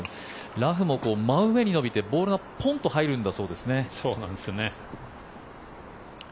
ラフも真上に伸びて、ボールがポンと入るんだそうですね。